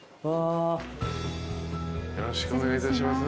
よろしくお願いします。